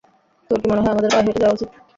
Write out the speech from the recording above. তোর কি মনে হয় আমাদের পায়ে হেঁটে যাওয়া উচিত?